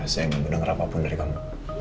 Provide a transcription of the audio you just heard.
saya gak mau denger apapun dari kamu